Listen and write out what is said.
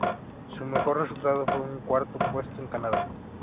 Su mejor resultado fue un cuarto puesto en Canadá.